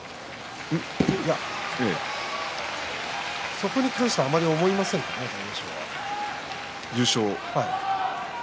そこに関してはあまり思いませんかね大栄翔は。